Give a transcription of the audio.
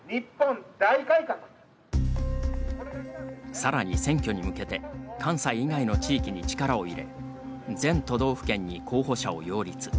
さらに選挙に向けて関西以外の地域に力を入れ全都道府県に候補者を擁立。